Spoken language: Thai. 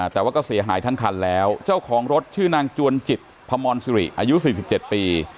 แต่ว่าก็เสียหายทั้งคันแล้วเจ้าของรถชื่อนางจวนจิตพมรสุริอายุ๔๗ปี